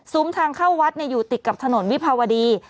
ทางเข้าวัดอยู่ติดกับถนนวิภาวดี